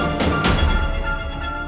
aku gak bisa ketemu mama lagi